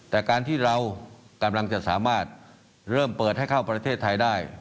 แต่การที่เรากำลังจะสามารถเริ่มเปิดให้เข้าประเทศไทยได้